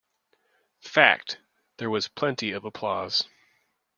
Fact: There was plenty of applause.